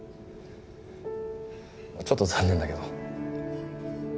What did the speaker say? ちょっと残念だけど。